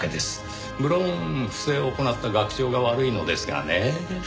無論不正を行った学長が悪いのですがねぇ。